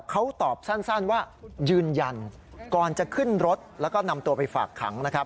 เขาตอบสั้นว่ายืนยันก่อนจะขึ้นรถแล้วก็นำตัวไปฝากขังนะครับ